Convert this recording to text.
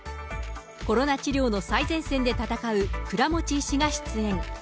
コロナ治療の最前線で闘う倉持医師が出演。